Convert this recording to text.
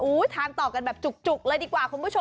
ทานต่อกันแบบจุกเลยดีกว่าคุณผู้ชม